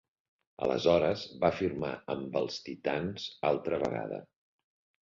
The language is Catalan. Aleshores, va firmar amb els Titans altra vegada.